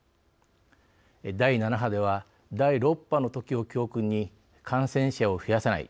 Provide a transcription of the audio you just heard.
第７波では第６波のときを教訓に感染者を増やさない。